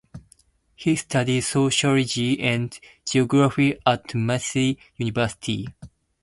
He studied sociology and geography at Massey University.